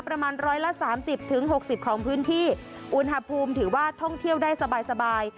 ประมาณร้อยละสามสิบถึงหกสิบของพื้นที่อุณหภูมิถือว่าท่องเที่ยวได้สบายสบาย